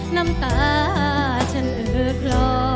น้ำตาฉันเออคลอ